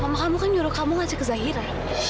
mama kamu kan nyuruh kamu ngasih ke zahira